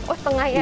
oh setengah ya